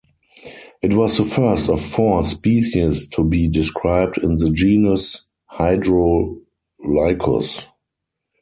It was the first of four species to be described in the genus "Hydrolycus".